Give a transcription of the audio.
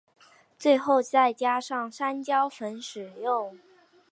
最后再加上山椒粉食用。